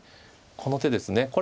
この手ですね